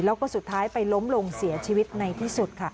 แล้วก็สุดท้ายไปล้มลงเสียชีวิตในที่สุดค่ะ